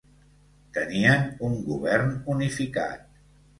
Tenien un govern unificat.